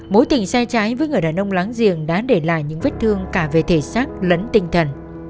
mối tình sai trái với người đàn ông láng giềng đã để lại những vết thương cả về thể xác lẫn tinh thần